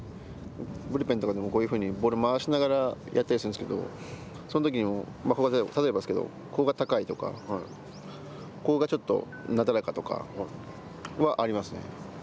ブルペンとかでもこういうふうにボールを回しながらやったりするんですけれども、そのときにも例えばですけど、ここが高いとか、ここがちょっとなだらかとかは、ありますね。